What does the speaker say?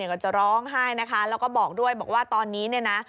ก็จะร้องไห้นะคะแล้วก็บอกด้วยบอกว่าตอนนี้เนี่ยนะ